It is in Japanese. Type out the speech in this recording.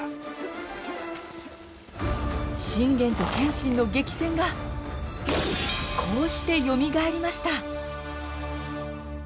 信玄と謙信の激戦がこうしてよみがえりました。